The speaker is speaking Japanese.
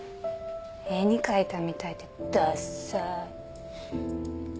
絵に描いたみたいでダッサい。